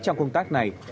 trong công tác này